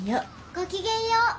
ごきげんよう。